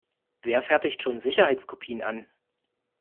Wer fertigt schon Sicherheitskopien an?